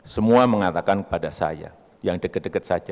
semua mengatakan kepada saya yang dekat dekat saja